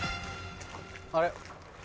あれ？